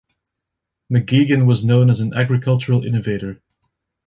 McGuigan was known as an agricultural innovator.